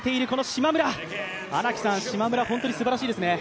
島村、本当にすばらしいですね。